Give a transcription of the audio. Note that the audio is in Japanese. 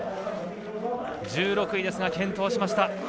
１６位ですが健闘しました。